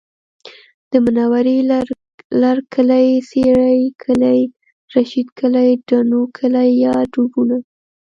د منورې لرکلی، سېرۍ کلی، رشید کلی، ډبونو کلی یا ډبونه